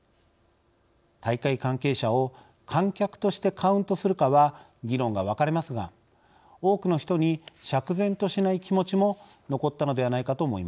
大会関係者を観客としてカウントするかは議論が分かれますが多くの人に釈然としない気持ちも残ったのではないかと思います。